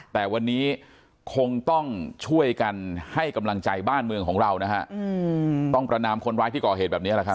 แต่วันนี้คงต้องช่วยกันให้กำลังใจบ้านเมืองของเรานะฮะต้องประนามคนร้ายที่ก่อเหตุแบบนี้แหละครับ